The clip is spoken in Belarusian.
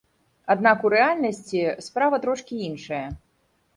Аднак у рэальнасці справа трошкі іншая.